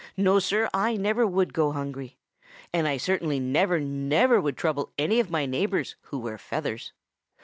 No, Sir, I never would go hungry. And I certainly never, never would trouble any of my neighbors who wear feathers.